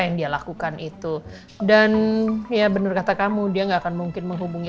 yang dia lakukan itu dan ya benar kata kamu dia nggak akan mungkin menghubungi